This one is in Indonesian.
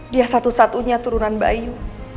dia satu satunya turunan bayu